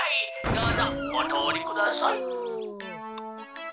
どうぞおとおりください」。